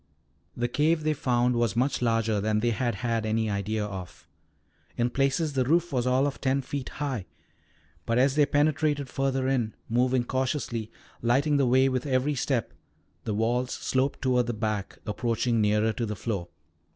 The cave they found was much larger than they had had any idea of. In places the roof was all of ten feet high. But as they penetrated further in, moving cautiously, lighting the way with every step, the walls sloped toward the back, approaching nearer to the floor.